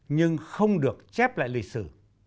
nhưng không được chép lại lịch sử